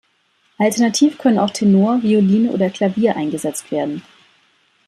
Alternativ können auch Tenor, Violine oder Klavier eingesetzt werden.